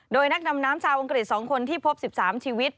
โดยนักดำน้ำชาวอังกฤษ๒คนที่พบ๑๓ชีวิต